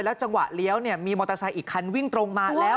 จังหวะเลี้ยวมีมอเตอร์ไซค์อีกคันวิ่งตรงมาแล้ว